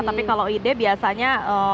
tapi kalau ide biasanya